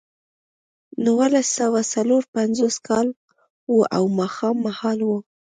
نولس سوه څلور پنځوس کال و او ماښام مهال و